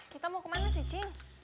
kita mau kemana sih ci